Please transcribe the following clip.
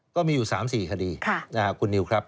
ก็มีอยู่๓๔คดีคุณนิวครับ